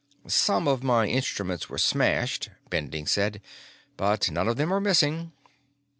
"Some of my instruments were smashed," Bending said, "but none of them are missing."